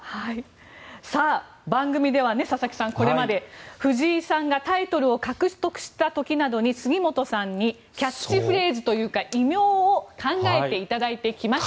番組では佐々木さん、これまで藤井さんがタイトルを獲得した時などに杉本さんにキャッチフレーズというか異名を考えていただいてきました。